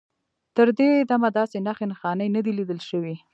تر دې دمه داسې نښې نښانې نه دي لیدل شوي.